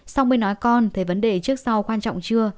xong mới nói con thấy vấn đề trước sau quan trọng chưa